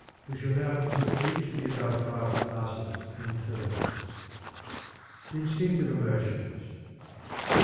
We shall now consider each of the above five classes in turn. THE INSTINCTIVE EMOTIONS.